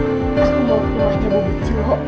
aku mau keluar nyawa bucil ho